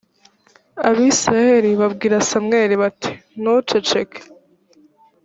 abisirayeli babwira samweli bati “ntuceceke”